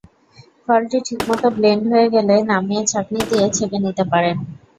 ফলটি ঠিকমতো ব্লেন্ড হয়ে গেলে নামিয়ে ছাঁকনি দিয়ে ছেঁকে নিতে পারেন।